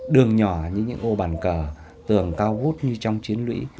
đường nhỏ như những ô bàn cờ tường cao gút như trong chiến lũy